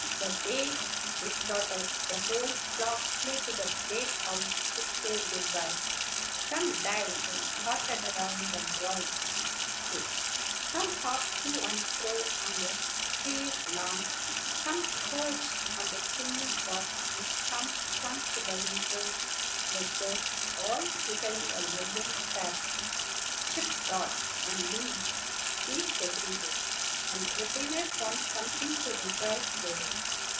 The day they started, the whole flock flew to the great house, to say good by. Some dived and darted round and round it, some hopped to and fro on the sere lawn, some perched on the chimney tops, and some clung to the window ledges; all twittering a loving farewell. Chirp, Dart, and Wing peeped everywhere, and everywhere found something to rejoice over.